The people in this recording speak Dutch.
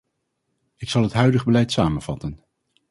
Ik zal het huidige beleid samenvatten.